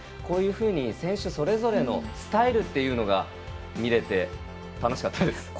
こういうふうに選手それぞれのスタイルが見れて楽しかったです。